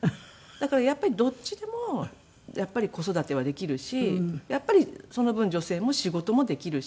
だからやっぱりどっちでも子育てはできるしやっぱりその分女性も仕事もできるし。